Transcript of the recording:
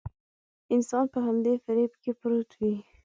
انسان په همدې فريب کې پروت وي.